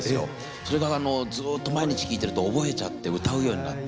それがずっと毎日聞いてると覚えちゃって歌うようになって。